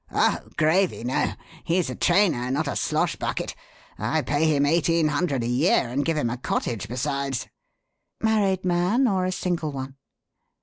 "Oh, gravy no! He's a trainer, not a slosh bucket. I pay him eighteen hundred a year and give him a cottage besides." "Married man or a single one?"